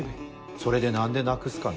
それで何でなくすかね。